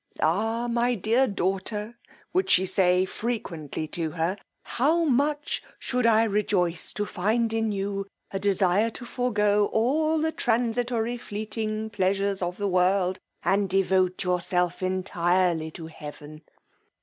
Ah my dear daughter, would she say frequently to her, how much should I rejoice to find in you a desire to forgo all the transitory fleeting pleasures of the world, and devote yourself entirely to heaven!